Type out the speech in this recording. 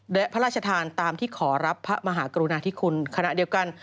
และพระราชทานตามที่ขอรับพระมหากรุณาธิคุณขณะเดียวกัน